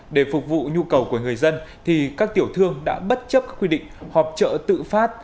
để phục vụ nhu cầu của người dân thì các tiểu thương đã bất chấp quy định họp trợ tự phát